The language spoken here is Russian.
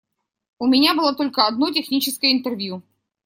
У меня было только одно техническое интервью.